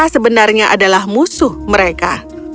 sebenarnya adalah musuh mereka